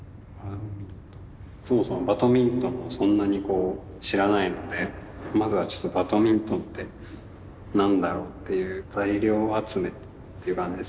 そもそもバドミントンもそんなにこう知らないのでまずはちょっとバドミントンって何だろうっていう材料集めっていう感じです